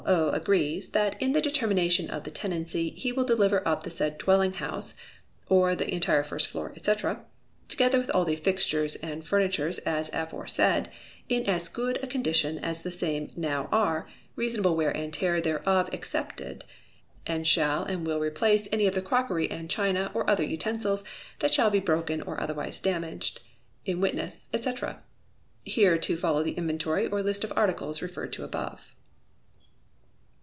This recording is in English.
O. agrees, that in the determination of the tenancy, he will deliver up the said dwelling house (or the entire first floor, &c.), together with all the fixtures and furniture as aforesaid, in as good a condition as the same now are, reasonable wear and tear thereof excepted, and shall and will replace any of the crockery and china or other utensils that shall be broken or otherwise damaged. In witness, &c. [_Here is to follow the Inventory, or List of Articles referred to above.